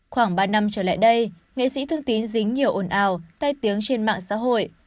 khoảng ba năm trở lại đây nghệ sĩ thương tín dính nhiều ồn ào tai tiếng trên mạng xã hội